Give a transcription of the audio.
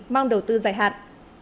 mong đầu tư dài hạn